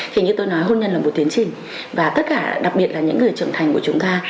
thì như tôi nói hôn nhân là một tiến trình và tất cả đặc biệt là những người trưởng thành của chúng ta